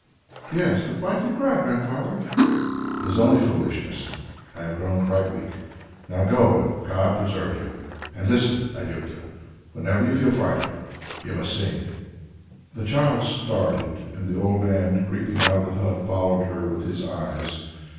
"Yes; but why do you cry, Grandfather?" "It is only foolishness.... I have grown quite weak. Now go, and God preserve you! And listen, Anjuta; whenever you feel frightened, you must sing." The child started and the old man, creeping out of the hut, followed her with his eyes.